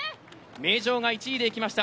名城が１位で行きました